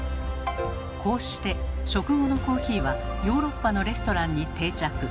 こうして食後のコーヒーはヨーロッパのレストランに定着。